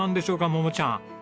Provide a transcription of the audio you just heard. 桃ちゃん。